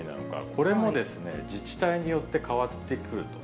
これもですね、自治体によって変わってくると。